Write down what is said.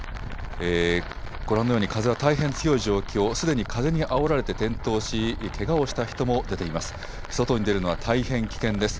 ご覧のように風は大変強い状況、すでに風にあおられて転倒しけがをした人も出ています。